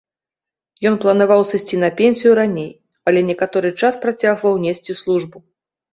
Ён планаваў сысці на пенсію раней, але некаторы час працягваў несці службу.